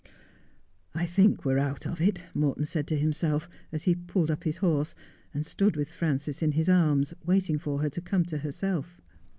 ' I think we're out of it,' Morton said to himself, as he pulled up his horse, and stood with Frances in his arms, waiting for her to come to herself.